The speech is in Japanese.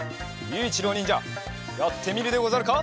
ゆういちろうにんじゃやってみるでござるか？